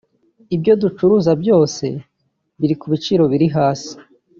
ibyo ducuruza byose biri ku biciro biri hasi cyane